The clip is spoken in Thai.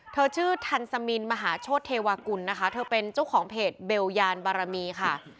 เธอชื่อทันสมินมหาโชธเทวากุลนะคะเธอเป็นเจ้าของเพจเบลยานบารมีค่ะ